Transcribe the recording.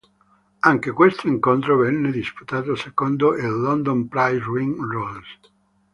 Anche questo incontro venne disputato secondo il London Prize Ring Rules.